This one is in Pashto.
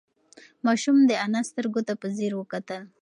ماشوم د انا سترگو ته په ځير وکتل.